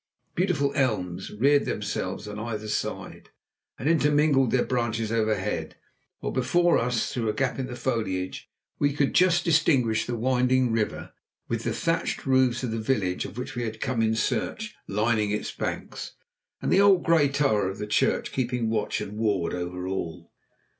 Beautiful elms reared themselves on either hand and intermingled their branches overhead; while before us, through a gap in the foliage, we could just distinguish the winding river, with the thatched roofs of the village, of which we had come in search, lining its banks, and the old grey tower of the church keeping watch and ward over all.